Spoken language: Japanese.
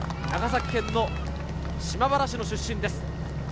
長崎県島原市出身です。